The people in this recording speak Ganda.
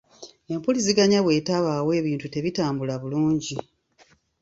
Empuliziganya bw'etabaawo ebintu tebitambula bulungi.